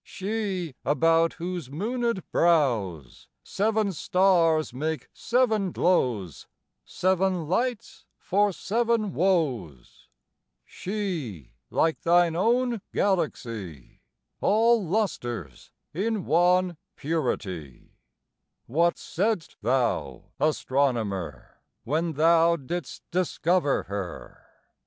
She, about whose moonèd brows Seven stars make seven glows, Seven lights for seven woes; She, like thine own Galaxy, All lustres in one purity: What said'st thou, Astronomer, When thou did'st discover her?